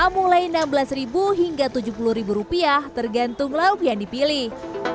mulai rp enam belas hingga rp tujuh puluh tergantung lauk yang dipilih